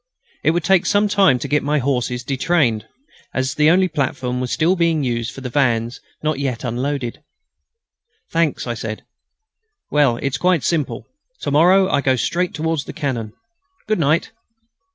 It would take some time to get my horses detrained, as the only platform was still being used for the vans not yet unloaded. "Thanks," said I. "Well, it's quite simple. To morrow I go straight towards the cannon. Good night."